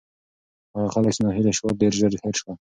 هغه خلک چې ناهیلي شول، ډېر ژر هېر شول.